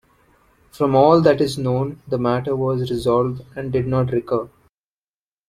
From all that is known, the matter was resolved, and did not recur.